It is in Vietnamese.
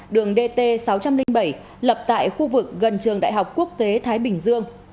đường dt sáu trăm linh bảy lập tại khu vực gần trường đại học quốc tế thái bình dương